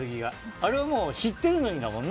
あれはもう知っているのにだもんな。